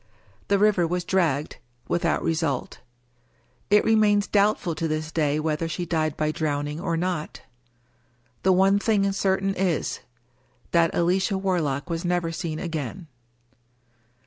The river was dragged — ^without result. It remains doubtful to this day whether she died by drowning or not. The one thing certain is — ^that Alicia Warlock was never seen again.